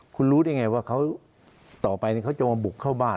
คุณรู้ได้ไงว่าเขาต่อไปเขาจะมาบุกเข้าบ้าน